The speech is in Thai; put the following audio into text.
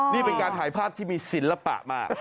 นี่เป็นการถ่ายภาพที่มีศิลปะมา